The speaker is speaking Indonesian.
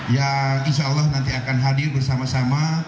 yang insyaallah nanti akan hadir bersama sama